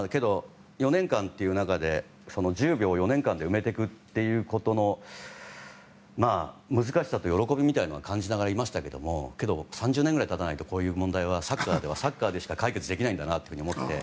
４年間という中で１０秒を４年間で埋めていくということの難しさと喜びみたいなものは感じながらいましたけどもけど、３０年くらい経たないとこういう問題はサッカーはサッカーでしか解決できないんだなと思っていて。